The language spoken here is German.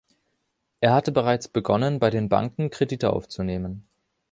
Er hatte bereits begonnen, bei den Banken Kredite aufzunehmen.